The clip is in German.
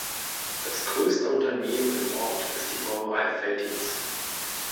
Das größte Unternehmen im Ort ist die Brauerei Veltins.